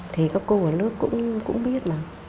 thì các cô ở lớp cũng biết mà